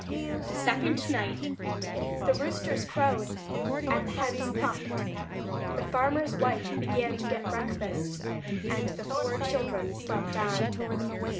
THE SECOND NIGHT The roosters crowed and the hens clucked; the farmer's wife began to get breakfast, and the four children slept on.